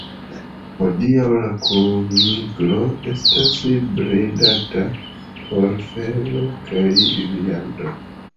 Hodiaŭ la kuniklo estas bredata por felo kaj viando.